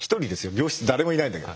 病室誰もいないんだけど。